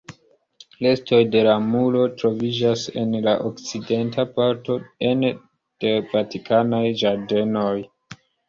Restoj de la muro troviĝas en la okcidenta parto ene de la vatikanaj ĝardenoj.